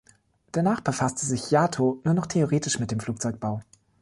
Danach befasste sich Jatho nur noch theoretisch mit dem Flugzeugbau.